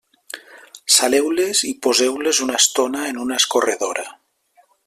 Saleu-les i poseu-les una estona en una escorredora.